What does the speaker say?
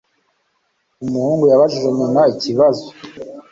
Umuhungu yabajije nyina ikibazo.